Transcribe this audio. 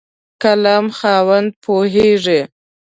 قلم خاوند پوهېږي.